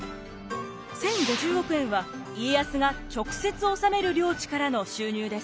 １，０５０億円は家康が直接治める領地からの収入です。